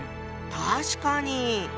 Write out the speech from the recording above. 確かに。